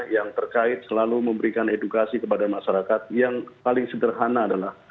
yang terkait selalu memberikan edukasi kepada masyarakat yang paling sederhana adalah